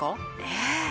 ええ。